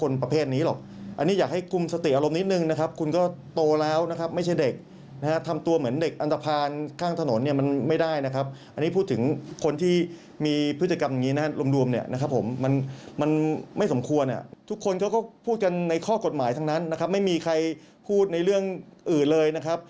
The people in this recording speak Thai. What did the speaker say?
ไม่สมควรทุกคนเขาก็พูดกันในข้อกฎหมายทั้งนั้นนะครับไม่มีใครพูดในเรื่องอื่นเลยนะครับ